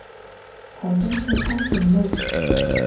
台中市昌平路